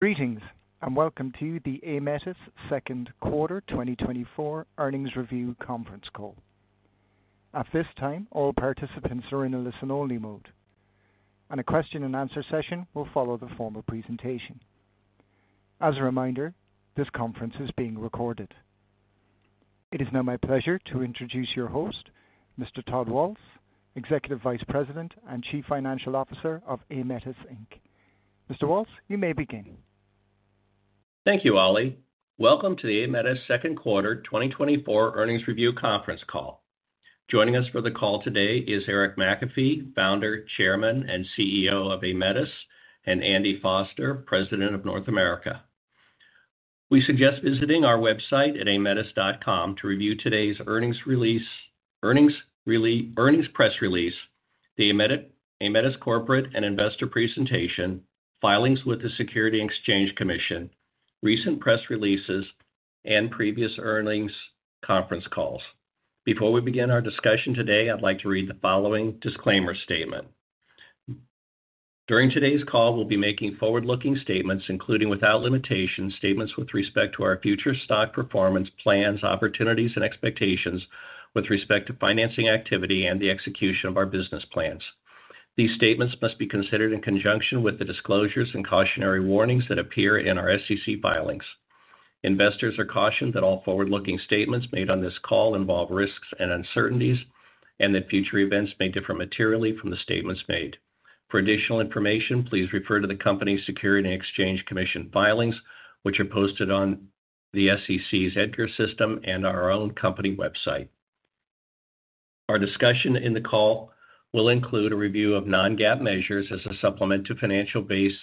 ...Greetings, and welcome to the Aemetis second quarter 2024 earnings review conference call. At this time, all participants are in a listen-only mode, and a question-and-answer session will follow the formal presentation. As a reminder, this conference is being recorded. It is now my pleasure to introduce your host, Mr. Todd Waltz, Executive Vice President and Chief Financial Officer of Aemetis, Inc. Mr. Waltz, you may begin. Thank you, Ollie. Welcome to the Aemetis second quarter 2024 earnings review conference call. Joining us for the call today is Eric McAfee, Founder, Chairman, and CEO of Aemetis, and Andy Foster, President of North America. We suggest visiting our website at aemetis.com to review today's earnings release, earnings press release, the Aemetis corporate and investor presentation, filings with the Securities and Exchange Commission, recent press releases, and previous earnings conference calls. Before we begin our discussion today, I'd like to read the following disclaimer statement. During today's call, we'll be making forward-looking statements, including, without limitation, statements with respect to our future stock performance, plans, opportunities, and expectations with respect to financing activity and the execution of our business plans. These statements must be considered in conjunction with the disclosures and cautionary warnings that appear in our SEC filings. Investors are cautioned that all forward-looking statements made on this call involve risks and uncertainties and that future events may differ materially from the statements made. For additional information, please refer to the company's Securities and Exchange Commission filings, which are posted on the SEC's EDGAR system and our own company website. Our discussion in the call will include a review of non-GAAP measures as a supplement to financial base,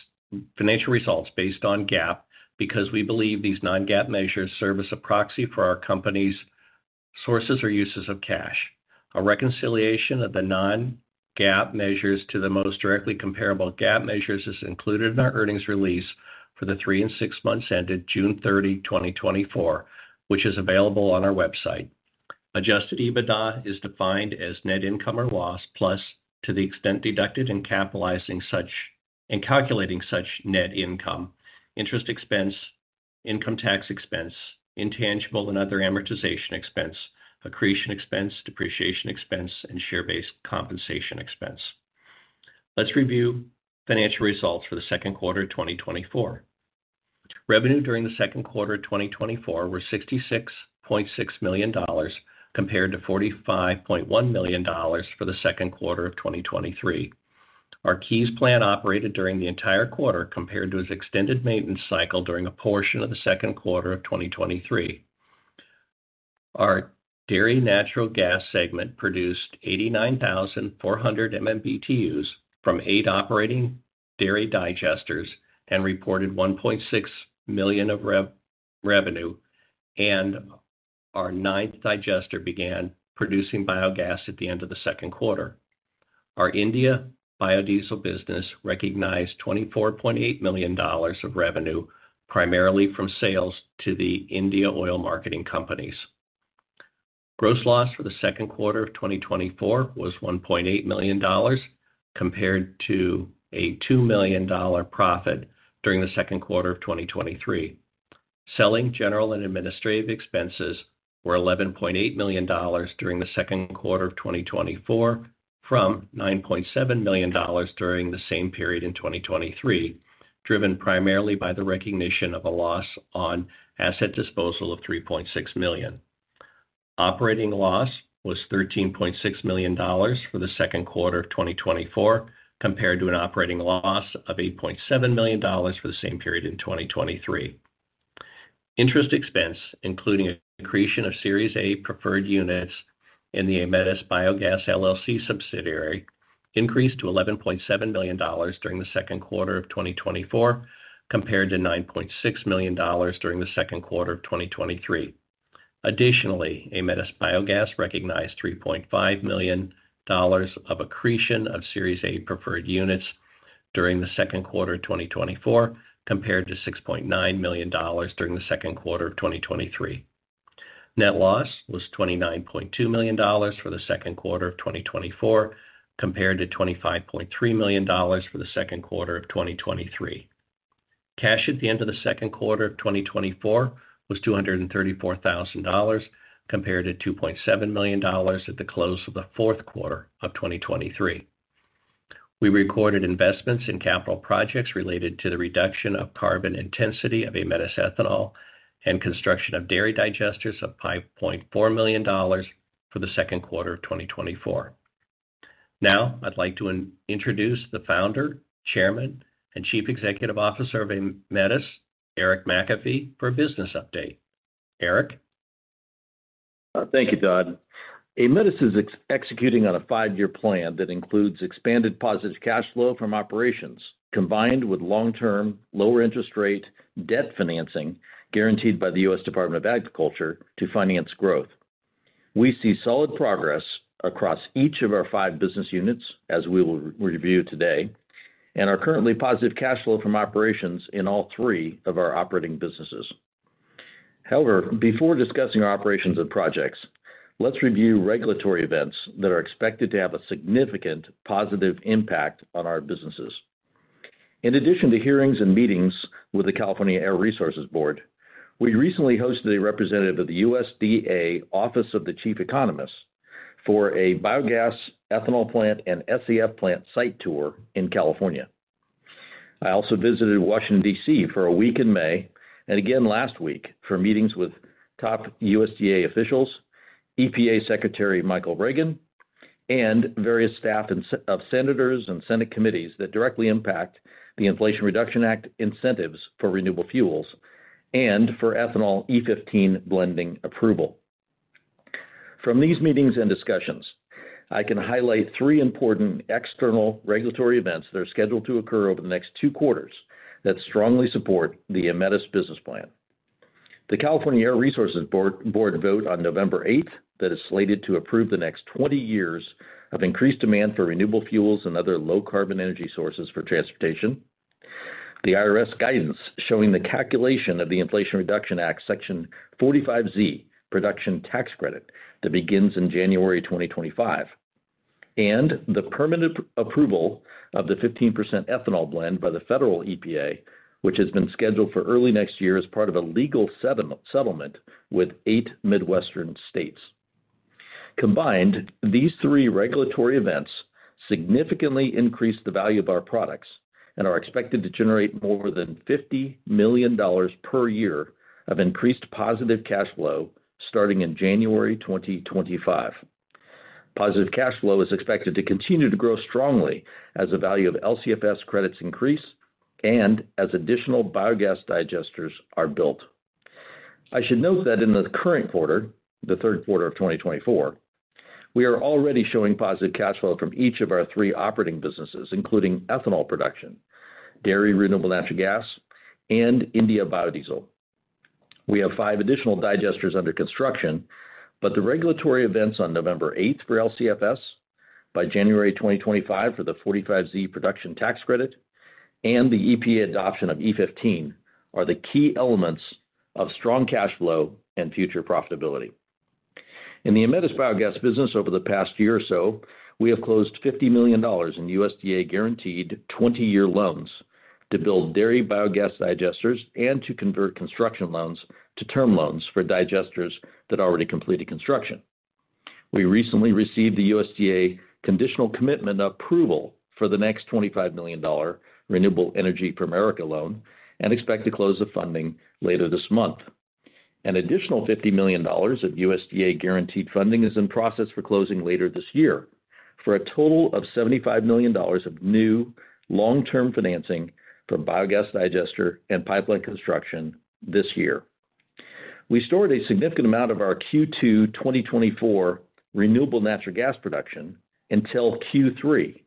financial results based on GAAP, because we believe these non-GAAP measures serve as a proxy for our company's sources or uses of cash. A reconciliation of the non-GAAP measures to the most directly comparable GAAP measures is included in our earnings release for the three and six months ended June 30, 2024, which is available on our website. Adjusted EBITDA is defined as net income or loss, plus, to the extent deducted in capitalizing such in calculating such net income, interest expense, income tax expense, intangible and other amortization expense, accretion expense, depreciation expense, and share-based compensation expense. Let's review financial results for the second quarter of 2024. Revenue during the second quarter of 2024 were $66.6 million, compared to $45.1 million for the second quarter of 2023. Our Keyes Plant operated during the entire quarter, compared to its extended maintenance cycle during a portion of the second quarter of 2023. Our dairy natural gas segment produced 89,400 MMBtus from eight operating dairy digesters and reported $1.6 million of revenue, and our ninth digester began producing biogas at the end of the second quarter. Our Indian biodiesel business recognized $24.8 million of revenue, primarily from sales to the Indian oil marketing companies. Gross loss for the second quarter of 2024 was $1.8 million, compared to a $2 million profit during the second quarter of 2023. Selling general and administrative expenses were $11.8 million during the second quarter of 2024, from $9.7 million during the same period in 2023, driven primarily by the recognition of a loss on asset disposal of $3.6 million. Operating loss was $13.6 million for the second quarter of 2024, compared to an operating loss of $8.7 million for the same period in 2023. Interest expense, including accretion of Series A preferred units in the Aemetis Biogas LLC subsidiary, increased to $11.7 million during the second quarter of 2024, compared to $9.6 million during the second quarter of 2023. Additionally, Aemetis Biogas recognized $3.5 million of accretion of Series A preferred units during the second quarter of 2024, compared to $6.9 million during the second quarter of 2023. Net loss was $29.2 million for the second quarter of 2024, compared to $25.3 million for the second quarter of 2023. Cash at the end of the second quarter of 2024 was $234,000, compared to $2.7 million at the close of the fourth quarter of 2023. We recorded investments in capital projects related to the reduction of carbon intensity of Aemetis Ethanol and construction of dairy digesters of $5.4 million for the second quarter of 2024. Now, I'd like to introduce the Founder, Chairman, and Chief Executive Officer of Aemetis, Eric McAfee, for a business update. Eric? Thank you, Todd. Aemetis is executing on a five-year plan that includes expanded positive cash flow from operations, combined with long-term, lower interest rate debt financing guaranteed by the U.S. Department of Agriculture to finance growth. We see solid progress across each of our five business units, as we will review today, and are currently positive cash flow from operations in all three of our operating businesses.... However, before discussing our operations and projects, let's review regulatory events that are expected to have a significant positive impact on our businesses. In addition to hearings and meetings with the California Air Resources Board, we recently hosted a representative of the USDA, Office of the Chief Economist, for a biogas, ethanol plant, and SAF plant site tour in California. I also visited Washington, D.C., for a week in May, and again last week, for meetings with top USDA officials, EPA Administrator Michael Regan, and various staff and staff of senators and Senate committees that directly impact the Inflation Reduction Act incentives for renewable fuels and for ethanol E15 blending approval. From these meetings and discussions, I can highlight three important external regulatory events that are scheduled to occur over the next two quarters that strongly support the Aemetis business plan. The California Air Resources Board Board vote on November 8th, that is slated to approve the next 20 years of increased demand for renewable fuels and other low carbon energy sources for transportation. The IRS guidance showing the calculation of the Inflation Reduction Act, Section 45Z, production tax credit, that begins in January 2025, and the permanent approval of the 15% ethanol blend by the federal EPA, which has been scheduled for early next year as part of a legal settlement with 8 Midwestern states. Combined, these three regulatory events significantly increase the value of our products and are expected to generate more than $50 million per year of increased positive cash flow starting in January 2025. Positive cash flow is expected to continue to grow strongly as the value of LCFS credits increase and as additional biogas digesters are built. I should note that in the current quarter, the third quarter of 2024, we are already showing positive cash flow from each of our three operating businesses, including ethanol production, dairy renewable natural gas, and India biodiesel. We have 5 additional digesters under construction, but the regulatory events on November 8th for LCFS, by January 2025 for the 45Z production tax credit, and the EPA adoption of E15, are the key elements of strong cash flow and future profitability. In the Aemetis Biogas business over the past year or so, we have closed $50 million in USDA guaranteed 20-year loans to build dairy biogas digesters and to convert construction loans to term loans for digesters that already completed construction. We recently received the USDA conditional commitment approval for the next $25 million Renewable Energy for America loan and expect to close the funding later this month. An additional $50 million of USDA guaranteed funding is in process for closing later this year, for a total of $75 million of new long-term financing for biogas digester and pipeline construction this year. We stored a significant amount of our Q2 2024 renewable natural gas production until Q3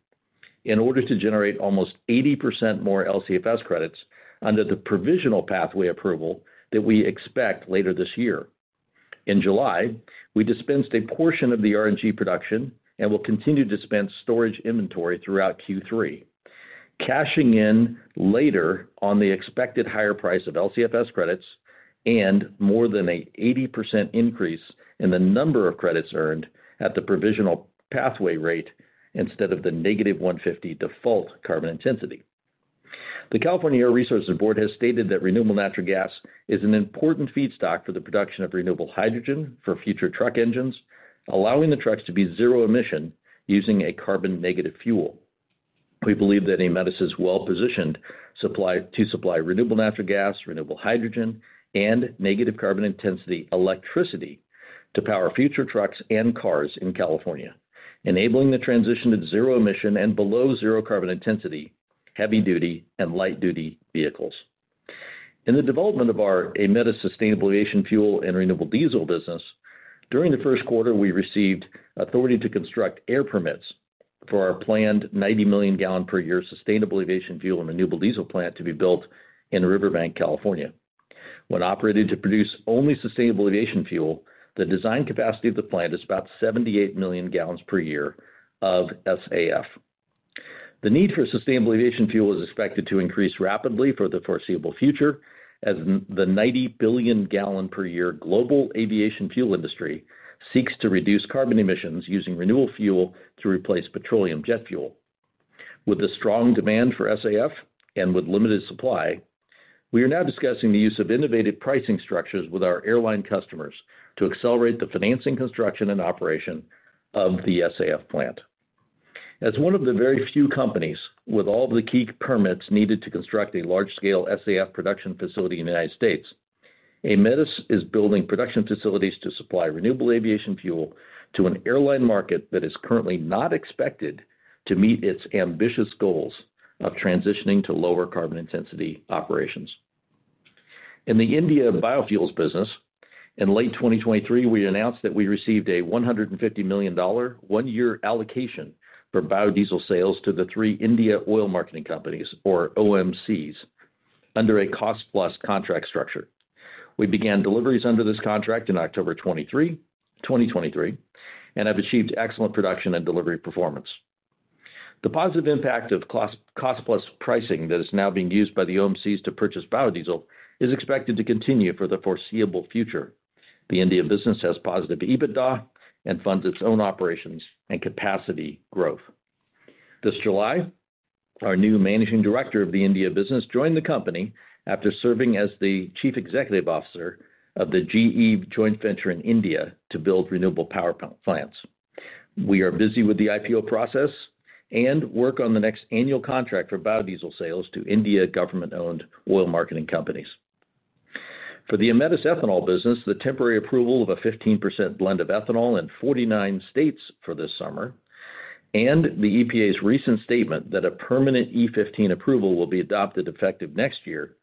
in order to generate almost 80% more LCFS credits under the provisional pathway approval that we expect later this year. In July, we dispensed a portion of the RNG production and will continue to dispense storage inventory throughout Q3, cashing in later on the expected higher price of LCFS credits and more than an 80% increase in the number of credits earned at the provisional pathway rate instead of the - 150 default carbon intensity. The California Air Resources Board has stated that renewable natural gas is an important feedstock for the production of renewable hydrogen for future truck engines, allowing the trucks to be zero emission using a carbon-negative fuel. We believe that Aemetis is well-positioned to supply renewable natural gas, renewable hydrogen, and negative carbon intensity electricity to power future trucks and cars in California, enabling the transition to zero emission and below zero carbon intensity, heavy-duty and light-duty vehicles. In the development of our Aemetis Sustainable Aviation Fuel and renewable diesel business, during the first quarter, we received authority to construct air permits for our planned 90 million gallon per year sustainable aviation fuel and renewable diesel plant to be built in Riverbank, California. When operated to produce only sustainable aviation fuel, the design capacity of the plant is about 78 million gallons per year of SAF. The need for sustainable aviation fuel is expected to increase rapidly for the foreseeable future, as the 90 billion gallon per year global aviation fuel industry seeks to reduce carbon emissions using renewable fuel to replace petroleum jet fuel. With the strong demand for SAF and with limited supply, we are now discussing the use of innovative pricing structures with our airline customers to accelerate the financing, construction, and operation of the SAF plant. As one of the very few companies with all the key permits needed to construct a large-scale SAF production facility in the United States, Aemetis is building production facilities to supply renewable aviation fuel to an airline market that is currently not expected to meet its ambitious goals of transitioning to lower carbon intensity operations. In the India biofuels business, in late 2023, we announced that we received a $150 million, one-year allocation for biodiesel sales to the three India oil marketing companies, or OMCs, under a cost-plus contract structure. We began deliveries under this contract in October 2023, and have achieved excellent production and delivery performance.... The positive impact of cost-plus pricing that is now being used by the OMCs to purchase biodiesel is expected to continue for the foreseeable future. The India business has positive EBITDA and funds its own operations and capacity growth. This July, our new managing director of the India business joined the company after serving as the Chief Executive Officer of the GE joint venture in India to build renewable power plant plants. We are busy with the IPO process and work on the next annual contract for biodiesel sales to India government-owned oil marketing companies. For the Aemetis ethanol business, the temporary approval of a 15% blend of ethanol in 49 states for this summer, and the EPA's recent statement that a permanent E15 approval will be adopted effective next year,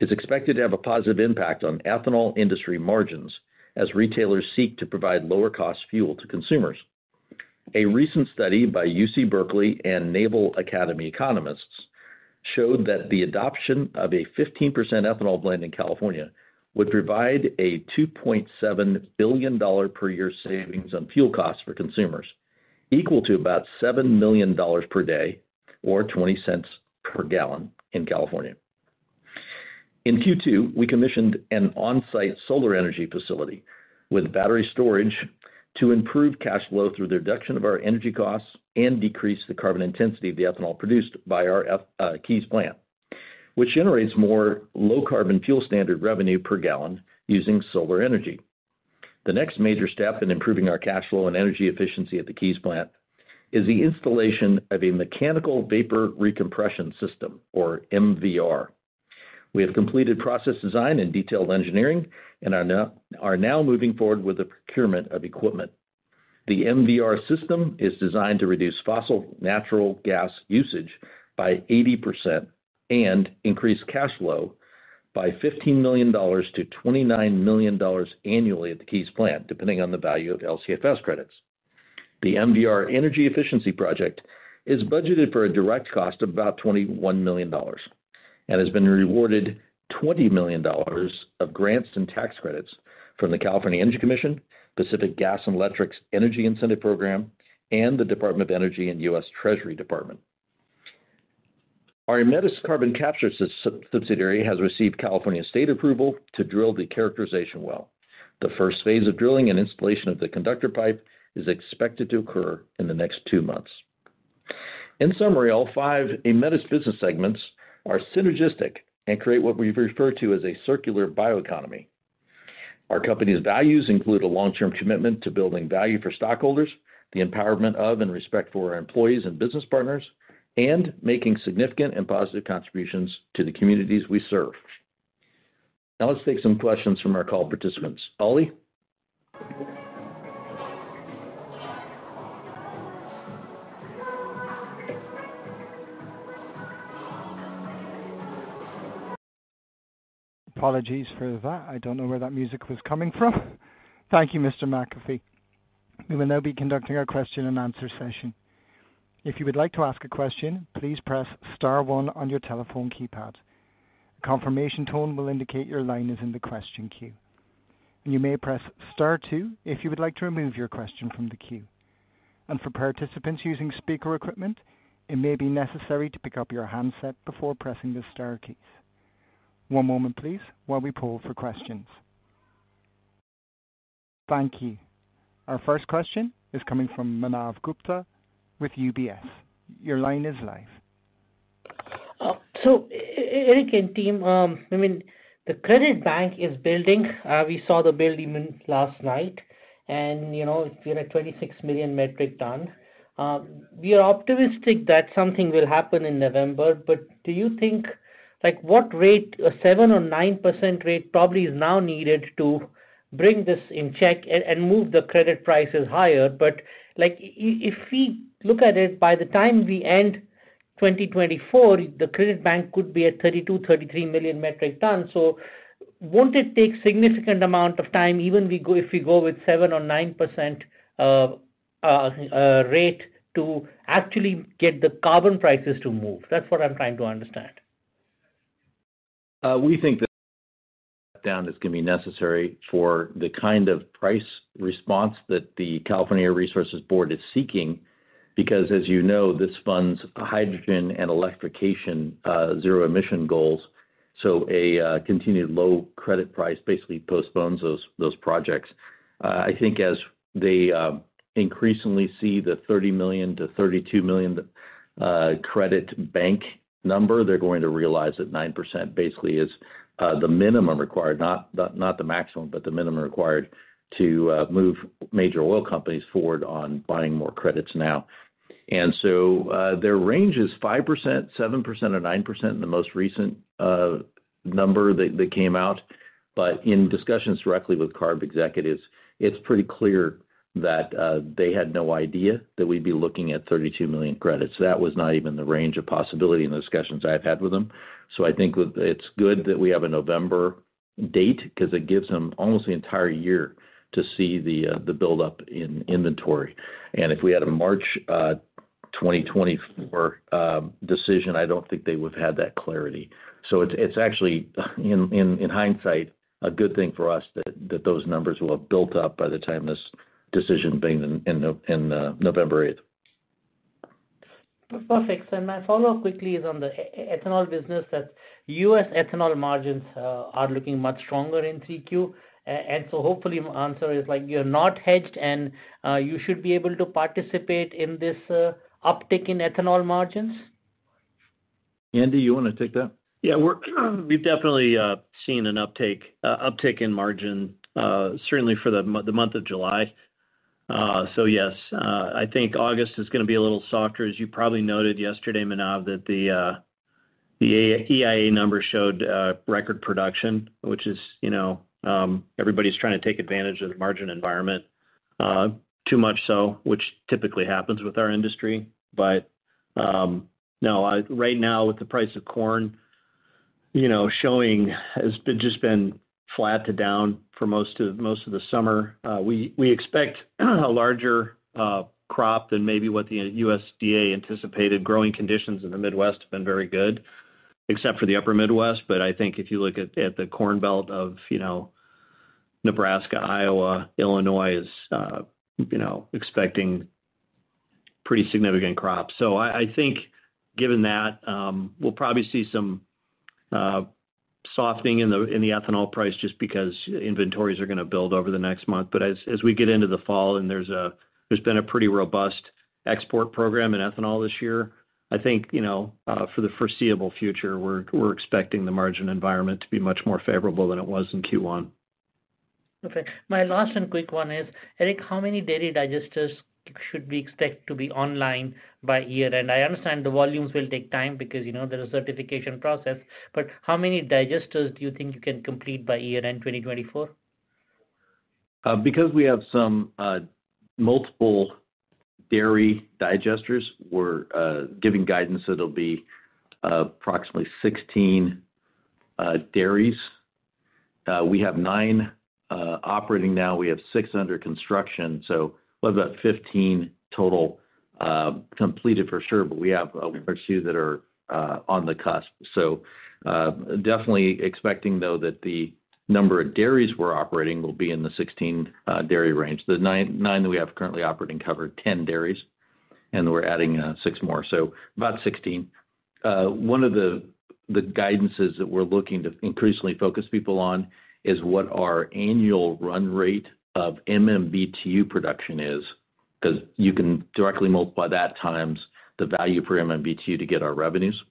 is expected to have a positive impact on ethanol industry margins as retailers seek to provide lower cost fuel to consumers. A recent study by UC Berkeley and Naval Academy economists showed that the adoption of a 15% ethanol blend in California would provide a $2.7 billion per year savings on fuel costs for consumers, equal to about $7 million per day, or $0.20 per gallon in California. In Q2, we commissioned an on-site solar energy facility with battery storage to improve cash flow through the reduction of our energy costs and decrease the carbon intensity of the ethanol produced by our Keyes plant, which generates more Low Carbon Fuel Standard revenue per gallon using solar energy. The next major step in improving our cash flow and energy efficiency at the Keyes plant is the installation of a mechanical vapor recompression system, or MVR. We have completed process design and detailed engineering and are now moving forward with the procurement of equipment. The MVR system is designed to reduce fossil natural gas usage by 80% and increase cash flow by $15 million-$29 million annually at the Keyes plant, depending on the value of LCFS credits. The MVR energy efficiency project is budgeted for a direct cost of about $21 million, and has been awarded $20 million of grants and tax credits from the California Energy Commission, Pacific Gas and Electric's Energy Incentive Program, and the U.S. Department of Energy and U.S. Treasury Department. Our Aemetis Carbon Capture subsidiary has received California state approval to drill the characterization well. The first phase of drilling and installation of the conductor pipe is expected to occur in the next two months. In summary, all five Aemetis business segments are synergistic and create what we refer to as a circular bioeconomy. Our company's values include a long-term commitment to building value for stockholders, the empowerment of and respect for our employees and business partners, and making significant and positive contributions to the communities we serve. Now, let's take some questions from our call participants. Ollie? Apologies for that. I don't know where that music was coming from. Thank you, Mr. McAfee. We will now be conducting our question and answer session. If you would like to ask a question, please press star one on your telephone keypad. A confirmation tone will indicate your line is in the question queue. You may press star two if you would like to remove your question from the queue. For participants using speaker equipment, it may be necessary to pick up your handset before pressing the star keys. One moment please, while we poll for questions. Thank you. Our first question is coming from Manav Gupta with UBS. Your line is live. So Eric and team, I mean, the credit bank is building. We saw the build even last night, and, you know, we're at 26 million metric tons. We are optimistic that something will happen in November, but do you think, like, what rate, a 7% or 9% rate probably is now needed to bring this in check and move the credit prices higher? But, like, if we look at it, by the time we end 2024, the credit bank could be at 32, 33 million metric tons. So won't it take significant amount of time, even if we go with 7% or 9% rate, to actually get the carbon prices to move? That's what I'm trying to understand. We think that down is gonna be necessary for the kind of price response that the California Air Resources Board is seeking, because, as you know, this funds hydrogen and electrification, zero emission goals, so continued low credit price basically postpones those projects. I think as they increasingly see the 30 million-32 million credit bank number, they're going to realize that 9% basically is the minimum required, not the maximum, but the minimum required to move major oil companies forward on buying more credits now. And so, their range is 5%, 7% or 9% in the most recent number that came out. But in discussions directly with CARB executives, it's pretty clear that they had no idea that we'd be looking at 32 million credits. That was not even the range of possibility in the discussions I've had with them. So I think it's good that we have a November date, because it gives them almost the entire year to see the buildup in inventory. And if we had a March 2024 decision, I don't think they would've had that clarity. So it's actually, in hindsight, a good thing for us that those numbers will have built up by the time this decision being in November 8.... Perfect. So my follow-up quickly is on the ethanol business, that U.S. ethanol margins are looking much stronger in 3Q. And so hopefully your answer is like, you're not hedged, and you should be able to participate in this uptick in ethanol margins? Andy, you wanna take that? Yeah, we've definitely seen an uptick in margin certainly for the month of July. So yes, I think August is gonna be a little softer. As you probably noted yesterday, Manav, the EIA numbers showed record production, which is, you know, everybody's trying to take advantage of the margin environment too much so, which typically happens with our industry. But no, right now, with the price of corn, you know, has just been flat to down for most of the summer, we expect a larger crop than maybe what the USDA anticipated. Growing conditions in the Midwest have been very good, except for the upper Midwest, but I think if you look at the Corn Belt of, you know, Nebraska, Iowa, Illinois, you know, expecting pretty significant crops. So I think given that, we'll probably see some softening in the ethanol price just because inventories are gonna build over the next month. But as we get into the fall, and there's been a pretty robust export program in ethanol this year, I think, you know, for the foreseeable future, we're expecting the margin environment to be much more favorable than it was in Q1. Okay. My last and quick one is, Eric, how many dairy digesters should we expect to be online by year? And I understand the volumes will take time because, you know, there is certification process, but how many digesters do you think you can complete by year-end, 2024? Because we have some multiple dairy digesters, we're giving guidance that'll be approximately 16 dairies. We have 9 operating now. We have 6 under construction, so we'll have about 15 total completed for sure, but we have a few that are on the cusp. So definitely expecting, though, that the number of dairies we're operating will be in the 16-dairy range. The nine that we have currently operating cover 10 dairies, and we're adding six more, so about 16. One of the guidances that we're looking to increasingly focus people on is what our annual run rate of MMBtu production is, 'cause you can directly multiply that times the value per MMBtu to get our revenues.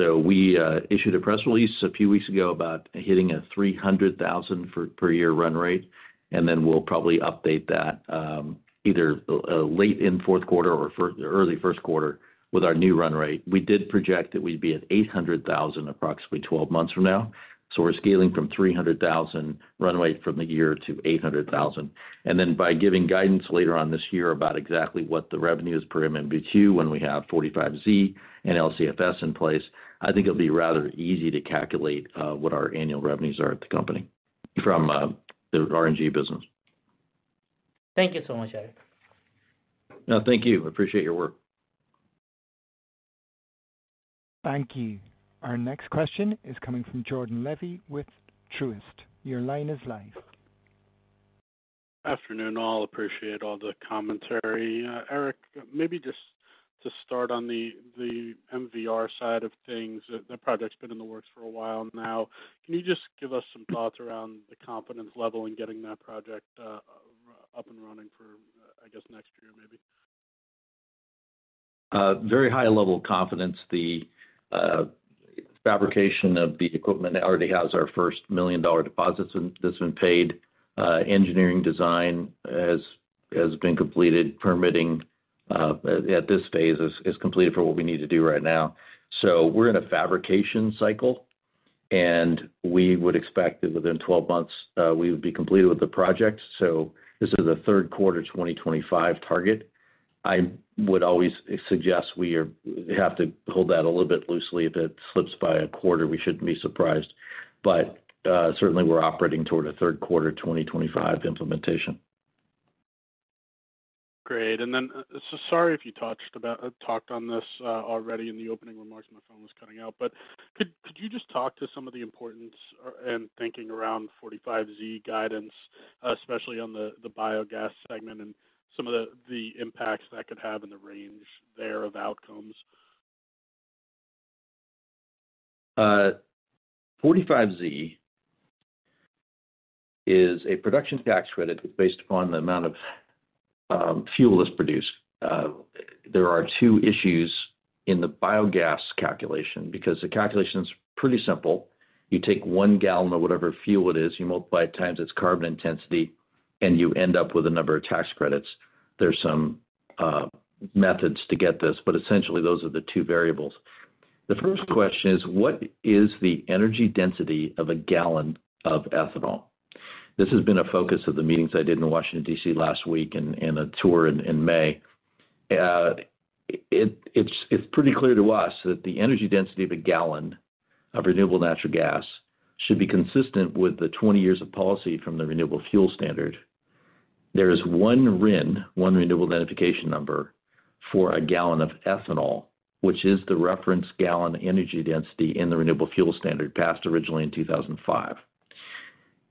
We issued a press release a few weeks ago about hitting a 300,000 for per year run rate, and then we'll probably update that, either late in fourth quarter or early first quarter with our new run rate. We did project that we'd be at 800,000 approximately 12 months from now, so we're scaling from 300,000 run rate from the year to 800,000. And then by giving guidance later on this year about exactly what the revenue is per MMBtu when we have 45Z and LCFS in place, I think it'll be rather easy to calculate what our annual revenues are at the company from the RNG business. Thank you so much, Eric. No, thank you. I appreciate your work. Thank you. Our next question is coming from Jordan Levy with Truist. Your line is live. Afternoon, all. Appreciate all the commentary. Eric, maybe just to start on the MVR side of things, the project's been in the works for a while now. Can you just give us some thoughts around the confidence level in getting that project up and running for, I guess, next year, maybe? Very high level of confidence. The fabrication of the equipment already has our first $1 million deposits and that's been paid. Engineering design has been completed. Permitting at this phase is completed for what we need to do right now. So we're in a fabrication cycle, and we would expect that within 12 months we would be completed with the project. So this is a third quarter 2025 target. I would always suggest we have to hold that a little bit loosely. If it slips by a quarter, we shouldn't be surprised. But certainly we're operating toward a third quarter 2025 implementation. Great. And then, so sorry if you talked about this already in the opening remarks, my phone was cutting out. But could you just talk to some of the importance and thinking around 45Z guidance, especially on the biogas segment, and some of the impacts that could have in the range of outcomes? 45Z is a production tax credit based upon the amount of fuel that's produced. There are two issues in the biogas calculation, because the calculation's pretty simple: You take one gallon or whatever fuel it is, you multiply it times its carbon intensity, and you end up with a number of tax credits. There's some methods to get this, but essentially those are the two variables. The first question is: What is the energy density of a gallon of ethanol? This has been a focus of the meetings I did in Washington, D.C. last week, and a tour in May. It's pretty clear to us that the energy density of a gallon of renewable natural gas should be consistent with the 20 years of policy from the Renewable Fuel Standard. There is one RIN, one Renewable Identification Number, for a gallon of ethanol, which is the reference gallon energy density in the Renewable Fuel Standard, passed originally in 2005...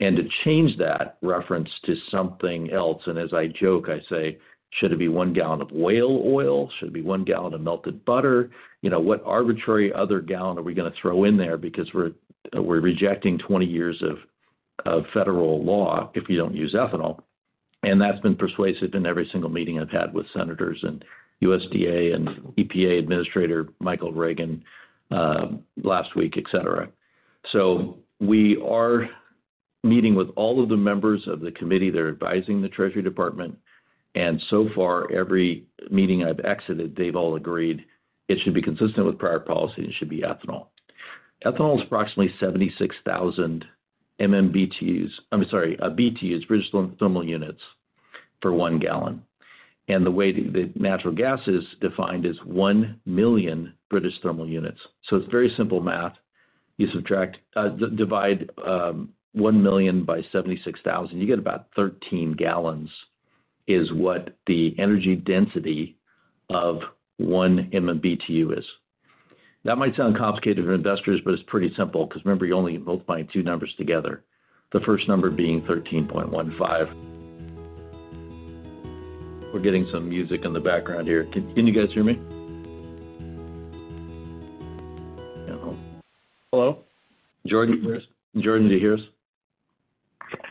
And to change that reference to something else, and as I joke, I say, "Should it be one gallon of whale oil? Should it be one gallon of melted butter? You know, what arbitrary other gallon are we going to throw in there because we're rejecting 20 years of federal law if you don't use ethanol?" And that's been persuasive in every single meeting I've had with senators and USDA, and EPA Administrator Michael Regan, last week, et cetera. So we are meeting with all of the members of the committee. They're advising the Treasury Department, and so far, every meeting I've exited, they've all agreed it should be consistent with prior policy, and it should be ethanol. Ethanol is approximately 76,000 MMBtus. I'm sorry, BTUs, British thermal units, per one gallon. And the way the natural gas is defined is 1 million British thermal units. So it's very simple math. You divide 1,000,000 by 76,000, you get about 13 gallons, is what the energy density of one MMBtu is. That might sound complicated for investors, but it's pretty simple because remember, you're only multiplying two numbers together, the first number being 13.15. We're getting some music in the background here. Can you guys hear me? Hello? Jordan, Jordan, do you hear us?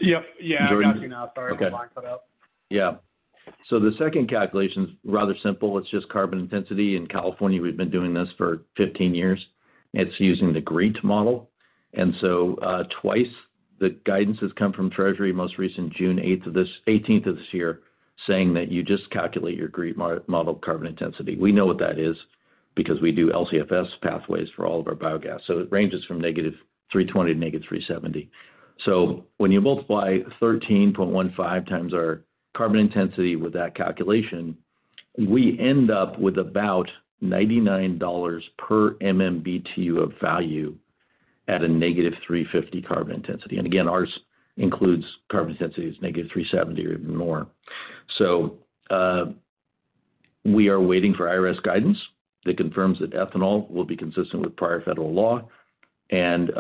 Yep. Yeah, I got you now. Okay. Sorry, my line cut out. Yeah. So the second calculation is rather simple. It's just carbon intensity. In California, we've been doing this for 15 years. It's using the GREET model, and so, twice the guidance has come from Treasury, most recent, June eighteenth of this year, saying that you just calculate your GREET model carbon intensity. We know what that is because we do LCFS pathways for all of our biogas. So it ranges from -320 to -370. So when you multiply 13.15x our carbon intensity with that calculation, we end up with about $99 per MMBtu of value at a -350 carbon intensity. And again, ours includes carbon intensity is -370 or even more. So, we are waiting for IRS guidance that confirms that ethanol will be consistent with prior federal law, and,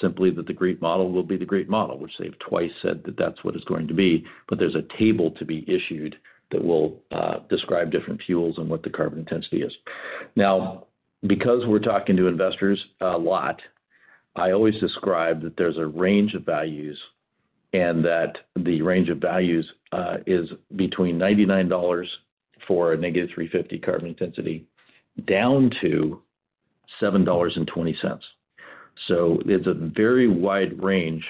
simply, that the GREET model will be the GREET model, which they've twice said that that's what it's going to be, but there's a table to be issued that will describe different fuels and what the carbon intensity is. Now, because we're talking to investors a lot, I always describe that there's a range of values, and that the range of values is between $99 for a -350 carbon intensity, down to $7.20. So it's a very wide range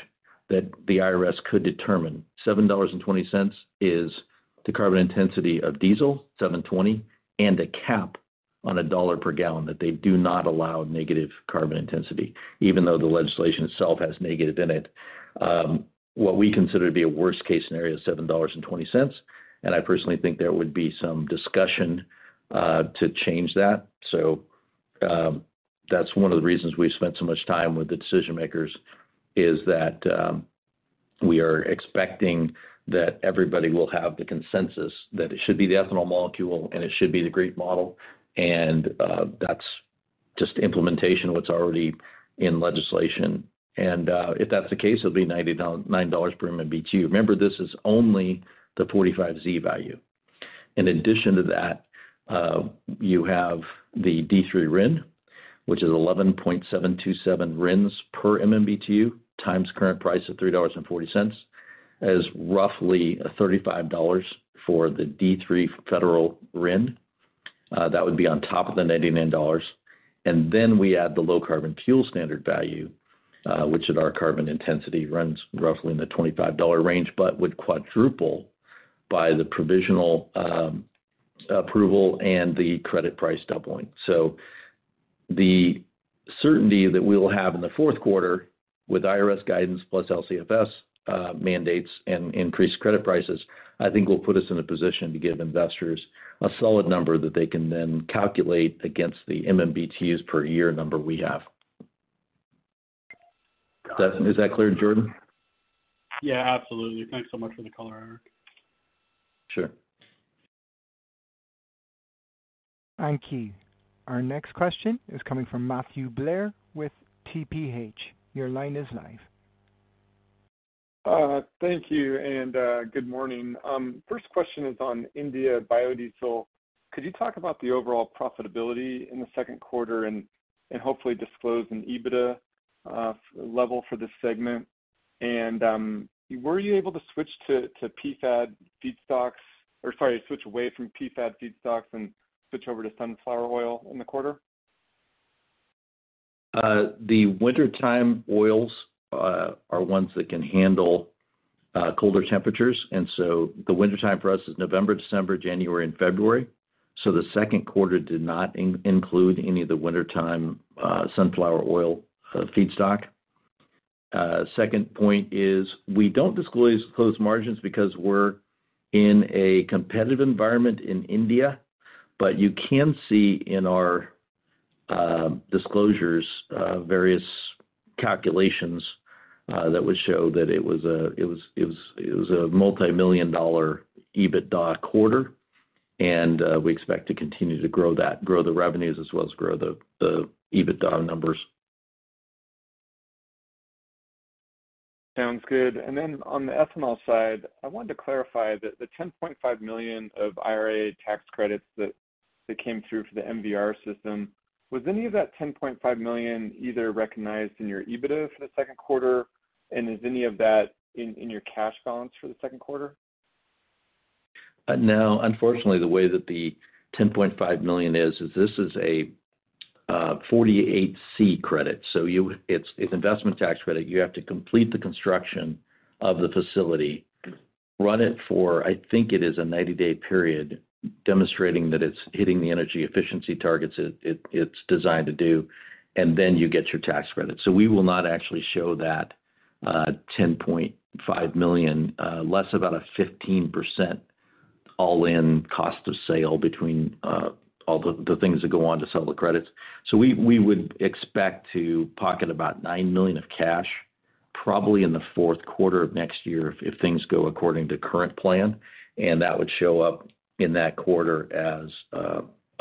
that the IRS could determine. $7.20 is the carbon intensity of diesel, 7.20, and a cap on $1 per gallon, that they do not allow negative carbon intensity, even though the legislation itself has negative in it. What we consider to be a worst-case scenario is $7.20, and I personally think there would be some discussion to change that. So, that's one of the reasons we've spent so much time with the decision makers, is that, we are expecting that everybody will have the consensus that it should be the ethanol molecule, and it should be the GREET model, and, that's just implementation what's already in legislation. And, if that's the case, it'll be nine dollars per MMBtu. Remember, this is only the 45Z value. In addition to that, you have the D3 RIN, which is 11.727 RINs per MMBtu, times current price of $3.40, is roughly $35 for the D3 federal RIN. That would be on top of the $99. And then we add the low carbon fuel standard value, which at our carbon intensity, runs roughly in the $25 range, but would quadruple by the provisional approval and the credit price doubling. So the certainty that we will have in the fourth quarter with IRS guidance plus LCFS mandates and increased credit prices, I think will put us in a position to give investors a solid number that they can then calculate against the MMBtus per year number we have. Does that-- Is that clear, Jordan? Yeah, absolutely. Thanks so much for the color, Eric. Sure. Thank you. Our next question is coming from Matthew Blair with TPH. Your line is live. Thank you, and good morning. First question is on India biodiesel. Could you talk about the overall profitability in the second quarter and hopefully disclose an EBITDA level for this segment? And, were you able to switch to PFAD feedstocks, or sorry, switch away from PFAD feedstocks and switch over to sunflower oil in the quarter? The wintertime oils are ones that can handle colder temperatures, and so the wintertime for us is November, December, January, and February. So the second quarter did not include any of the wintertime sunflower oil feedstock. Second point is, we don't disclose margins because we're in a competitive environment in India, but you can see in our disclosures various calculations that would show that it was a multimillion-dollar EBITDA quarter, and we expect to continue to grow that, grow the revenues as well as grow the EBITDA numbers. Sounds good. And then on the ethanol side, I wanted to clarify that the $10.5 million of IRA tax credits that came through for the MVR system, was any of that $10.5 million either recognized in your EBITDA for the second quarter? And is any of that in your cash balance for the second quarter? No. Unfortunately, the way that the $10.5 million is, this is a 48C credit. So it's an investment tax credit. You have to complete the construction of the facility, run it for, I think, a 90-day period, demonstrating that it's hitting the energy efficiency targets it's designed to do, and then you get your tax credit. So we will not actually show that $10.5 million, less about a 15% all-in cost of sale between all the things that go on to sell the credits. So we would expect to pocket about $9 million of cash, probably in the fourth quarter of next year, if things go according to current plan, and that would show up in that quarter as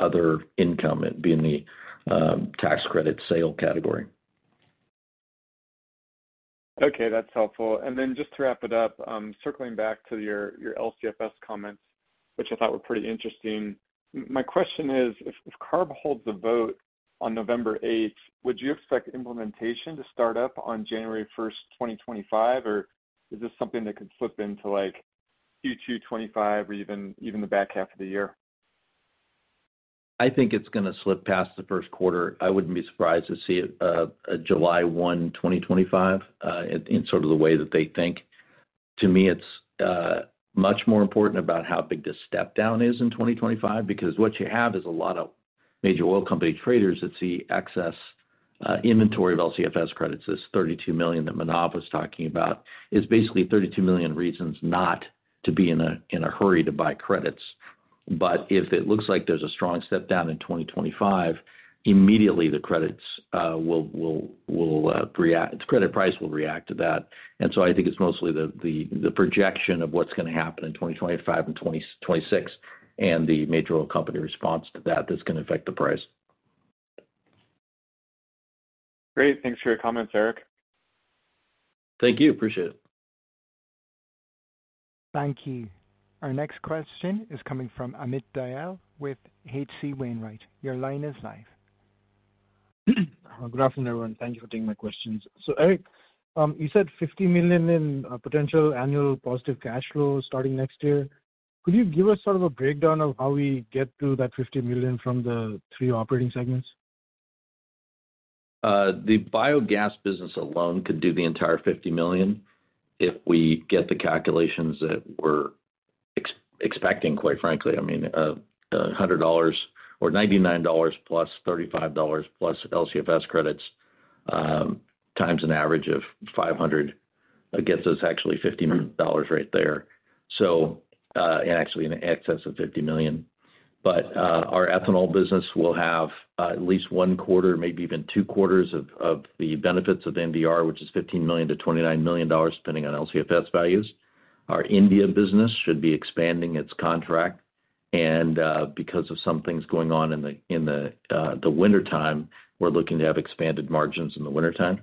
other income. It'd be in the tax credit sale category. Okay, that's helpful. And then just to wrap it up, circling back to your LCFS comments, which I thought were pretty interesting. My question is, if CARB holds the vote on November 8, would you expect implementation to start up on January 1, 2025, or is this something that could slip into, like, Q2 2025 or even the back half of the year? I think it's gonna slip past the first quarter. I wouldn't be surprised to see it, a July 1, 2025, in, in sort of the way that they think. To me, it's, much more important about how big the step down is in 2025, because what you have is a lot of major oil company traders that see excess, inventory of LCFS credits. This 32 million that Manav was talking about is basically 32 million reasons not to be in a, in a hurry to buy credits. But if it looks like there's a strong step down in 2025, immediately the credits, will react, its credit price will react to that. And so I think it's mostly the projection of what's gonna happen in 2025 and 2026 and the major oil company response to that that's gonna affect the price. Great. Thanks for your comments, Eric. Thank you. Appreciate it. Thank you. Our next question is coming from Amit Dayal with HC Wainwright. Your line is live. Good afternoon, everyone. Thank you for taking my questions. So Eric, you said $50 million in potential annual positive cash flow starting next year. Could you give us sort of a breakdown of how we get to that $50 million from the three operating segments? The biogas business alone could do the entire $50 million, if we get the calculations that we're expecting, quite frankly. I mean, $100 or $99 plus $35 plus LCFS credits, times an average of 500, gets us actually $50 million right there. So, and actually in excess of $50 million. But, our ethanol business will have at least one quarter, maybe even two quarters of the benefits of MVR, which is $15 million-$29 million, depending on LCFS values. Our India business should be expanding its contract, and, because of some things going on in the wintertime, we're looking to have expanded margins in the wintertime.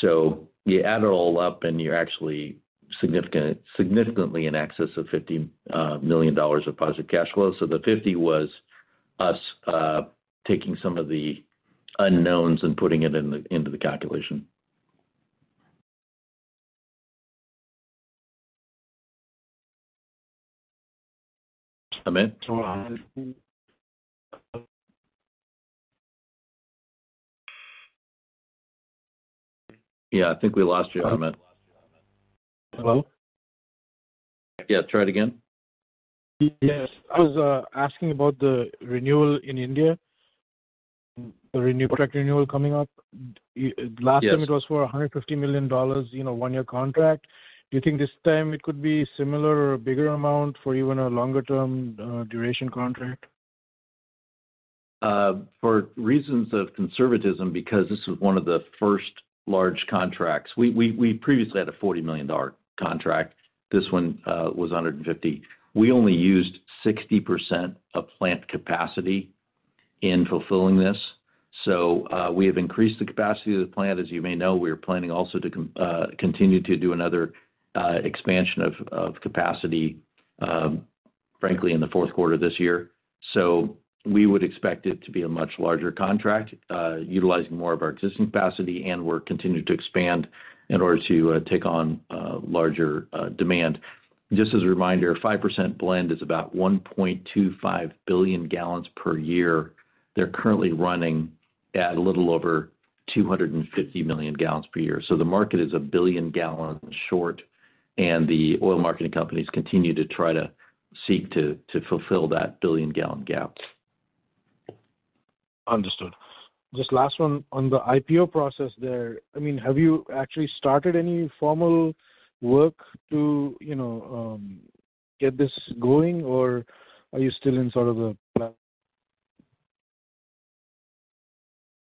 So you add it all up, and you're actually significantly in excess of $50 million of positive cash flow. The 50 was us taking some of the unknowns and putting it into the calculation. Amit? Yeah, I think we lost you, Amit. Hello? Yeah, try it again. Yes. I was asking about the renewal in India, the contract renewal coming up. Yes. Last time it was for $150 million, you know, one-year contract. Do you think this time it could be similar or a bigger amount for you in a longer-term, duration contract? For reasons of conservatism, because this is one of the first large contracts, we previously had a $40 million contract. This one was a $150 million. We only used 60% of plant capacity in fulfilling this, so we have increased the capacity of the plant. As you may know, we are planning also to continue to do another expansion of capacity, frankly, in the fourth quarter this year. So we would expect it to be a much larger contract, utilizing more of our existing capacity, and we're continuing to expand in order to take on larger demand. Just as a reminder, 5% blend is about 1.25 billion gallons per year. They're currently running at a little over 250 million gallons per year. So the market is 1 billion gallons short, and the oil marketing companies continue to try to seek to fulfill that billion-gallon gap. Understood. Just last one. On the IPO process there, I mean, have you actually started any formal work to, you know, get this going, or are you still in sort of the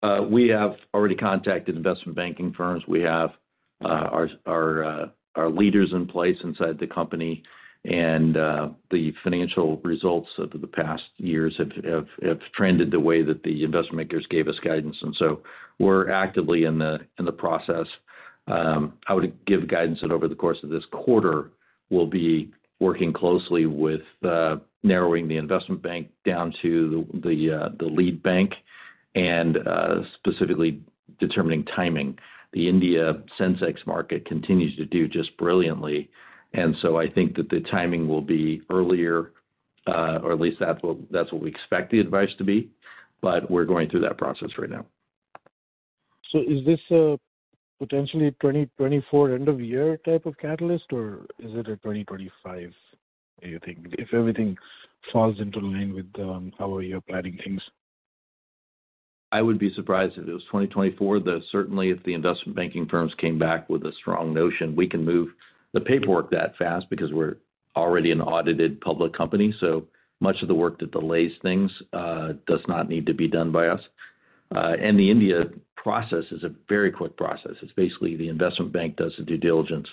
planning?... We have already contacted investment banking firms. We have our leaders in place inside the company, and the financial results over the past years have trended the way that the investment bankers gave us guidance, and so we're actively in the process. I would give guidance that over the course of this quarter, we'll be working closely with narrowing the investment bank down to the lead bank and specifically determining timing. The India Sensex market continues to do just brilliantly, and so I think that the timing will be earlier, or at least that's what we expect the advice to be. But we're going through that process right now. So is this potentially 2024 end of year type of catalyst, or is it a 2025, do you think? If everything falls into line with how you're planning things. I would be surprised if it was 2024, though certainly if the investment banking firms came back with a strong notion, we can move the paperwork that fast because we're already an audited public company, so much of the work that delays things does not need to be done by us. And the India process is a very quick process. It's basically the investment bank does the due diligence.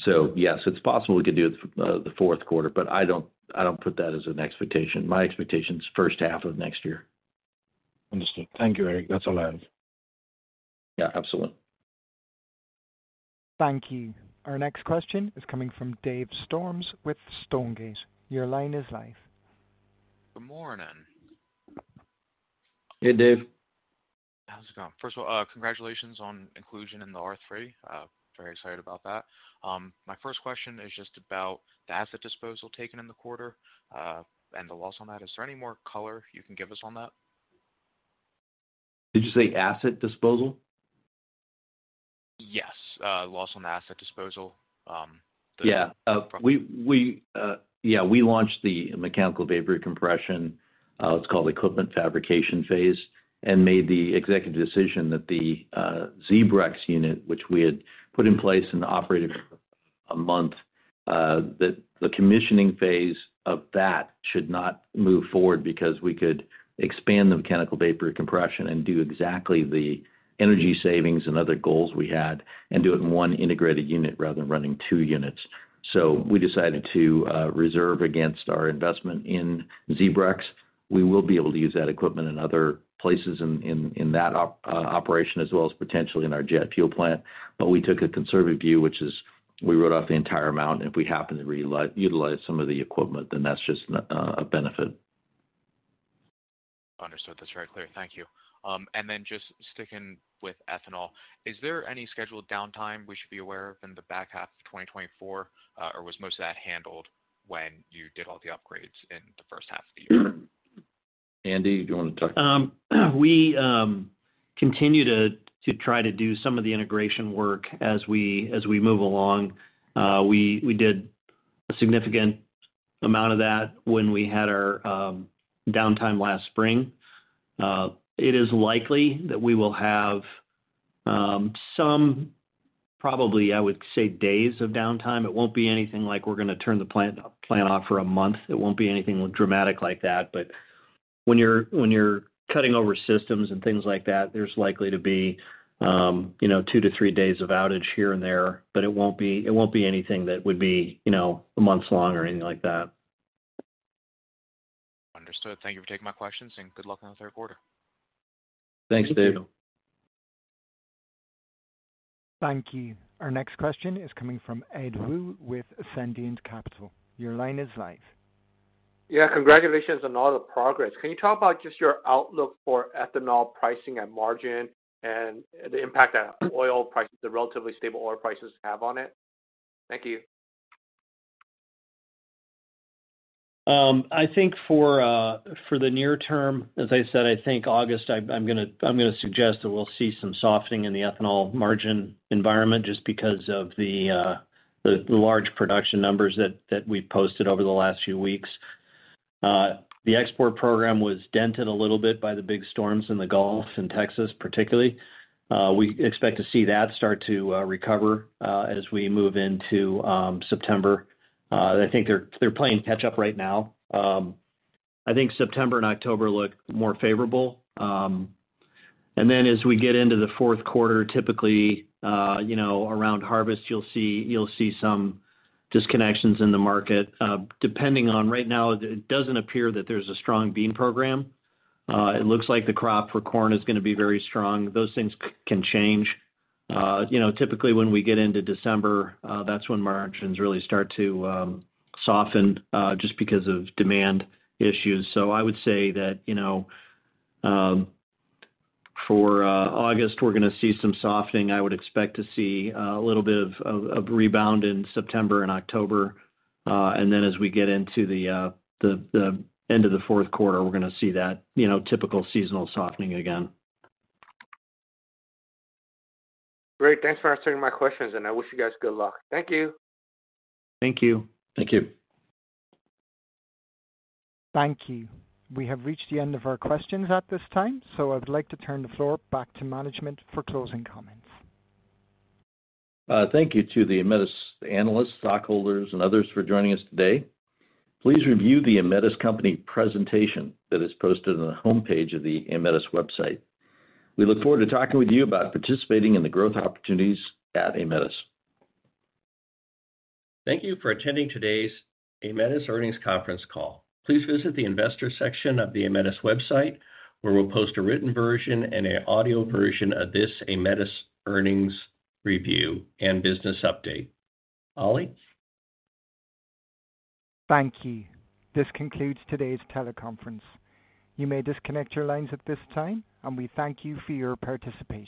So yes, it's possible we could do it, the fourth quarter, but I don't, I don't put that as an expectation. My expectation is first half of next year. Understood. Thank you, Eric. That's all I have. Yeah, absolutely. Thank you. Our next question is coming from Dave Storms with Stonegate. Your line is live. Good morning. Hey, Dave. How's it going? First of all, congratulations on inclusion in the R3. Very excited about that. My first question is just about the asset disposal taken in the quarter, and the loss on that. Is there any more color you can give us on that? Did you say asset disposal? Yes, loss on asset disposal. Yeah, we launched the mechanical vapor recompression, what's called equipment fabrication phase, and made the executive decision that the ZEBREX unit, which we had put in place and operated for a month, that the commissioning phase of that should not move forward because we could expand the mechanical vapor recompression and do exactly the energy savings and other goals we had, and do it in one integrated unit rather than running two units. So we decided to reserve against our investment in ZEBREX. We will be able to use that equipment in other places in that operation, as well as potentially in our jet fuel plant. But we took a conservative view, which is we wrote off the entire amount, and if we happen to utilize some of the equipment, then that's just a benefit. Understood. That's very clear. Thank you. And then just sticking with ethanol, is there any scheduled downtime we should be aware of in the back half of 2024, or was most of that handled when you did all the upgrades in the first half of the year? Andy, do you want to talk? We continue to try to do some of the integration work as we move along. We did a significant amount of that when we had our downtime last spring. It is likely that we will have some probably, I would say, days of downtime. It won't be anything like we're gonna turn the plant off for a month. It won't be anything dramatic like that. But when you're cutting over systems and things like that, there's likely to be, you know, 2-3 days of outage here and there, but it won't be, it won't be anything that would be, you know, months long or anything like that. Understood. Thank you for taking my questions, and good luck on the third quarter. Thanks, Dave. Thank you. Thank you. Our next question is coming from Ed Woo with Ascendiant Capital. Your line is live. Yeah, congratulations on all the progress. Can you talk about just your outlook for ethanol pricing and margin and the impact that oil prices, the relatively stable oil prices, have on it? Thank you. I think for the near term, as I said, I think August, I'm gonna suggest that we'll see some softening in the ethanol margin environment just because of the large production numbers that we've posted over the last few weeks. The export program was dented a little bit by the big storms in the Gulf and Texas particularly. We expect to see that start to recover as we move into September. I think they're playing catch up right now. I think September and October look more favorable. And then as we get into the fourth quarter, typically, you know, around harvest, you'll see some disconnections in the market, depending on... Right now, it doesn't appear that there's a strong bean program. It looks like the crop for corn is gonna be very strong. Those things can change. You know, typically when we get into December, that's when margins really start to soften, just because of demand issues. So I would say that, you know, for August, we're gonna see some softening. I would expect to see a little bit of rebound in September and October. And then as we get into the end of the fourth quarter, we're gonna see that, you know, typical seasonal softening again. Great. Thanks for answering my questions, and I wish you guys good luck. Thank you. Thank you. Thank you. Thank you. We have reached the end of our questions at this time, so I would like to turn the floor back to management for closing comments. Thank you to the Aemetis analysts, stockholders, and others for joining us today. Please review the Aemetis company presentation that is posted on the homepage of the Aemetis website. We look forward to talking with you about participating in the growth opportunities at Aemetis. Thank you for attending today's Aemetis earnings conference call. Please visit the investor section of the Aemetis website, where we'll post a written version and an audio version of this Aemetis earnings review and business update. Ollie? Thank you. This concludes today's teleconference. You may disconnect your lines at this time, and we thank you for your participation.